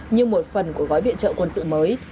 như một phần của gói viện trợ quân sự mới